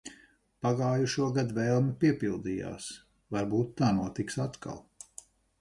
Pagājušogad vēlme piepildījās. Varbūt tā notiks atkal.